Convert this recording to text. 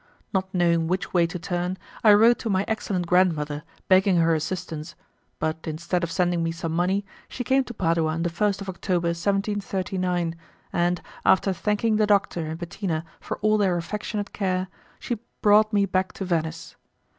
Not knowing which way to turn, I wrote to my excellent grandmother, begging her assistance, but instead of sending me some money, she came to Padua on the 1st of October, 1739, and, after thanking the doctor and Bettina for all their affectionate care, she brought me back to Venice.